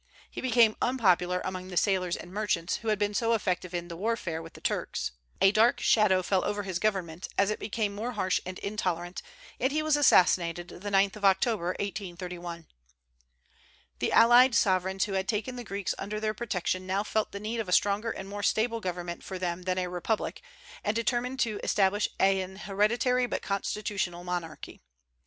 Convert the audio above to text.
He became unpopular among the sailors and merchants, who had been so effective in the warfare with the Turks. "A dark shadow fell over his government" as it became more harsh and intolerant, and he was assassinated the 9th of October, 1831. The allied sovereigns who had taken the Greeks under their protection now felt the need of a stronger and more stable government for them than a republic, and determined to establish an hereditary but constitutional monarchy.